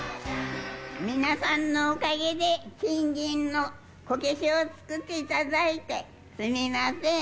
皆さんのおかげで、金銀のこけしを作っていただいてすみません。